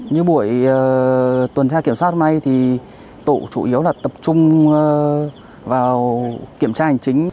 như buổi tuần tra kiểm soát hôm nay thì tổ chủ yếu là tập trung vào kiểm tra hành chính